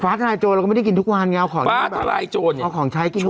ทนายโจรเราก็ไม่ได้กินทุกวันไงเอาของฟ้าทลายโจรเอาของใช้กินทุกวัน